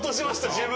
自分。